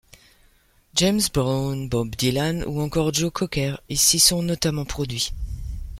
James Brown, Bob Dylan ou encore Joe Cocker s'y sont notamment produits.